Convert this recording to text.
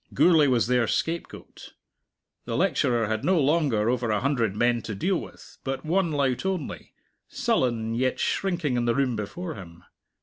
Gourlay was their scapegoat. The lecturer had no longer over a hundred men to deal with, but one lout only, sullen yet shrinking in the room before him.